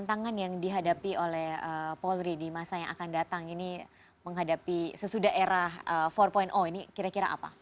jadi apa yang dihadapi oleh polri di masa yang akan datang ini menghadapi sesudah era empat ini kira kira apa